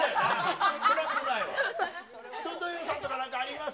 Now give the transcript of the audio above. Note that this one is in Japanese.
一青窈さんとか、何かあります？